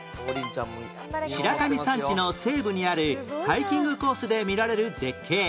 白神山地の西部にあるハイキングコースで見られる絶景